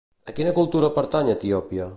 A quina cultura pertany Etiòpia?